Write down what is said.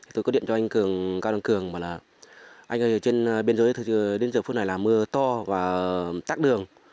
tôi có điện cho anh cường cao văn cường bảo là anh ơi ở trên biên giới đến giờ phút này là mưa to và tắt đường